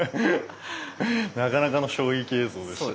なかなかの衝撃映像でした。